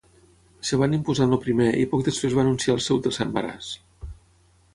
Es van imposar en el primer i poc després va anunciar el seu tercer embaràs.